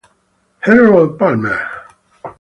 Errol Palmer